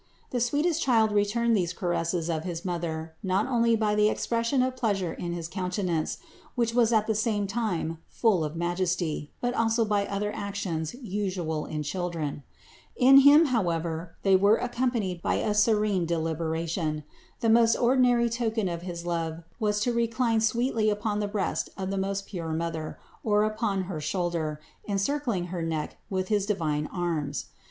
The sweetest Child returned these caresses of his Mother not only by the expression of pleasure in his countenance, which was at the same time full of majesty, but also by other actions usual in children. In Him, however, they were accompanied by a serene deliberation. The most ordinary token of his love was to recline sweetly upon the breast of the most pure Mother, or upon her shoulder, encircling her neck with his divine arms.